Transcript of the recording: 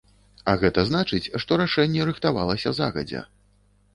А гэта значыць, што рашэнне рыхтавалася загадзя.